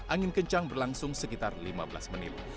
angin kencang berlangsung sekitar lima belas menit